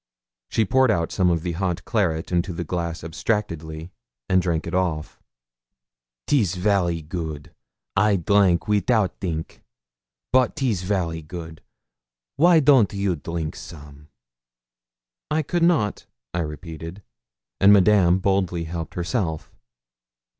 She poured out some of the hot claret into the glass abstractedly, and drank it off. ''Tis very good I drank without theenk. Bote 'tis very good. Why don't you drink some?' 'I could not', I repeated. And Madame boldly helped herself.